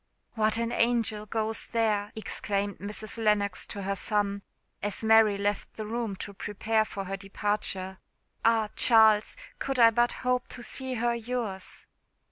"What an angel goes there!" exclaimed Mrs. Lennox to her son, as Mary left the room to prepare for her departure. "Ah! Charles, could I but hope to see her yours!"